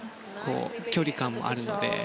距離感もあるので。